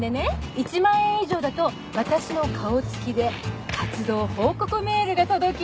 １万円以上だと私の顔付きで活動報告メールが届きますっていう。